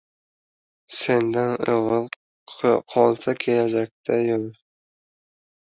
Sendan o‘g‘il qolsa kelajakda yosh